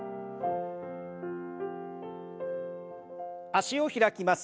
脚を開きます。